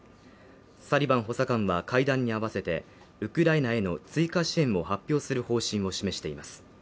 サリバン補佐官は会談に合わせてウクライナへの追加支援も発表する方針も示しています